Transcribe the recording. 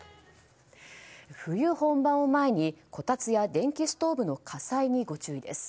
冬本番を前に、こたつや電気ストーブの火災にご注意です。